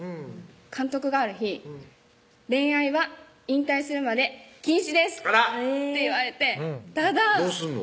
監督がある日「恋愛は引退するまで禁止です」って言われてただどうすんの？